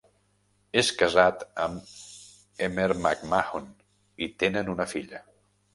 És casat amb Emer McMahon i tenen una filla.